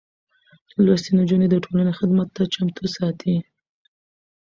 لوستې نجونې د ټولنې خدمت ته چمتو ساتي.